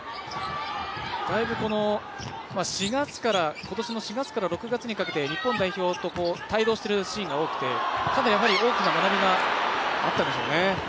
だいぶ、今年の４月から６月にかけて日本代表と帯同しているシーンが多くて、かなり大きな学びがあったんでしょうね。